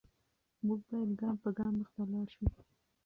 موږ باید ګام په ګام مخته لاړ شو.